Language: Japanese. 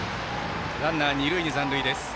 ランナー、二塁に残塁です。